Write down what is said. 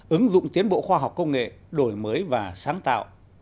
ứng dụng tiến bộ khoa học công nghệ đổi mới và sáng tạo